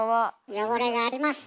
汚れがあります。